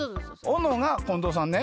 おのが近藤さんね。